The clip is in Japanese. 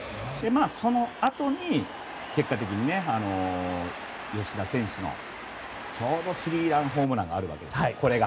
そのあとに、結果的に吉田選手のちょうど、スリーランホームランあるわけですよね。